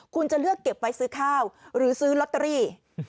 คุณจะเลือกเก็บไว้ซื้อข้าวหรือซื้อลอตเตอรี่